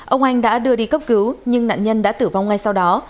ông anh đã đưa đi cấp cứu nhưng nạn nhân đã tử vong ngay sau đó